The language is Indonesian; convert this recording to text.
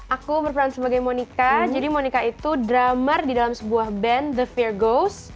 aku berperan sebagai monica jadi monica itu drummer di dalam sebuah band the fear ghost